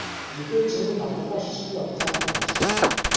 Мэдээж энэ нь тодорхой шилжилтийн хугацаанд л үргэлжилнэ.